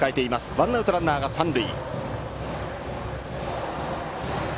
ワンアウト、ランナーが三塁。